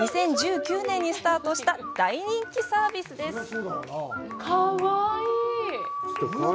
２０１９年にスタートした大人気サービスです！